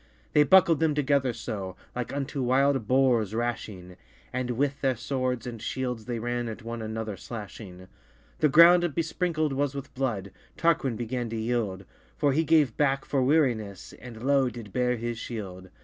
They buckled them together so, Like unto wild boares rashing; And with their swords and shields they ran At one another slashing: The ground besprinkled was with blood: Tarquin began to yield; For he gave backe for wearinesse, And lowe did beare his shield.